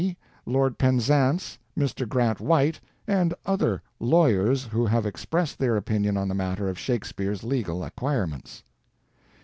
Lord Penzance, Mr. Grant White, and other lawyers, who have expressed their opinion on the matter of Shakespeare's legal acquirements....